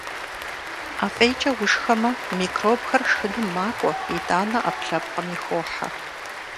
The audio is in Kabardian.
Ӏэ фӀейкӀэ ушхэмэ, микробхэр шхыным макӀуэ, итӀанэ Ӏэпкълъэпкъми хохьэ.